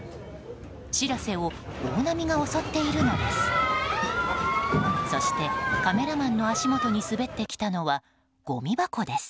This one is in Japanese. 「しらせ」を大波が襲っているのです。